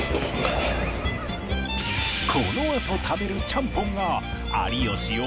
このあと食べるちゃんぽんが